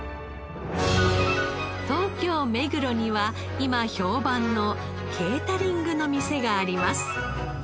東京目黒には今評判のケータリングの店があります。